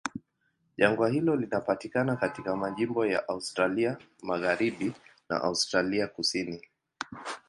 Jangwa hilo linapatikana katika majimbo ya Australia Magharibi na Australia Kusini.